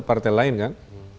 partai lain kan